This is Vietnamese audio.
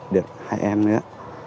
được hai em nữa